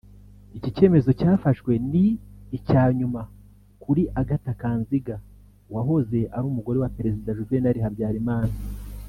Iki cyemezo cyafashwe ni icya nyuma kuri Agatha Kanziga wahoze ari Umugore wa Perezida Juvenal Habyarimana